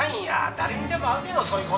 誰にでもあるやろそういう事」